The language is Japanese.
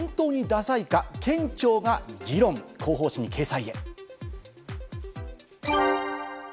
埼玉は本当にダサいか県庁が議論、広報紙に掲載。